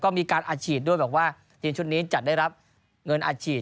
แล้วก็มีการอาชีพด้วยแบบว่าทีนชุดนี้จัดได้รับเงินอาชีพ